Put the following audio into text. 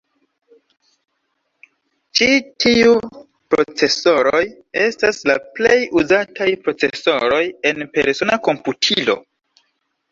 Ĉi tiu procesoroj estas la plej uzataj procesoroj en persona komputilo.